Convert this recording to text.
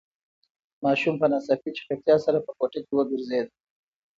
ماشوم په ناڅاپي چټکتیا سره په کوټه کې وگرځېد.